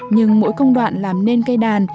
nhưng mỗi công đoạn làm nên cây đàn